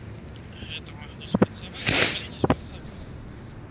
Гэта магло спрацаваць, але не спрацавала.